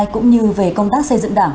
cũng như về công tác xây dựng đảng